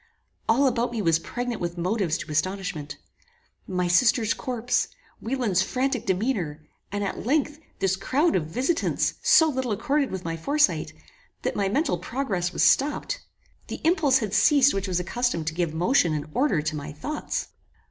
All about me was pregnant with motives to astonishment. My sister's corpse, Wieland's frantic demeanour, and, at length, this crowd of visitants so little accorded with my foresight, that my mental progress was stopped. The impulse had ceased which was accustomed to give motion and order to my thoughts.